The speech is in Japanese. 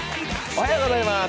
おはようございます。